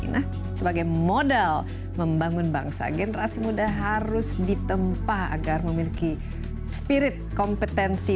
nah sebagai modal membangun bangsa generasi muda harus ditempa agar memiliki spirit kompetensi